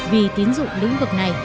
vì tín dụng lĩnh vực này